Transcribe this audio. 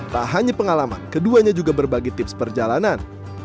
tak hanya pengalaman keduanya juga berbagi tips perjalanan